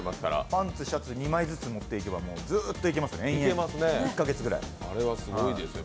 パンツ、シャツ２枚ずっと持っていけば、延々いけますね、１カ月ぐらい。